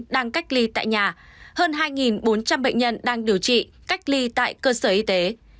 đang cách ly tại nhà hơn hai bốn trăm linh bệnh nhân đang điều trị cách ly tại cơ sở y tế